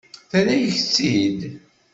Terra-yak-tt-id.